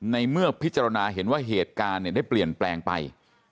ในเมื่อพิจารณาเห็นว่าเหตุการณ์ได้เปลี่ยนแปลงไป